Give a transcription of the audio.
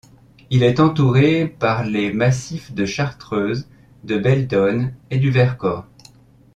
Il est entouré par les massifs de Chartreuse, de Belledonne et du Vercors.